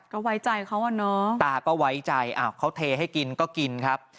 ก็ไว้ใจเขาอ่ะเนาะตาก็ไว้ใจอ้าวเขาเทให้กินก็กินครับ